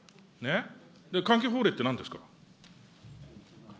関係法令ってなんですか。